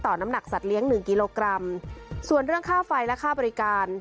น้ำหนักสัตว์เลี้ยงหนึ่งกิโลกรัมส่วนเรื่องค่าไฟและค่าบริการ